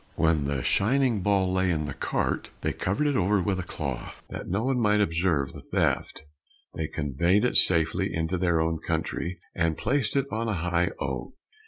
When the shining ball lay in the cart, they covered it over with a cloth, that no one might observe the theft. They conveyed it safely into their own country, and placed it on a high oak.